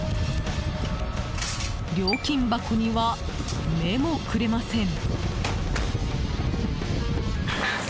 料金箱には目もくれません。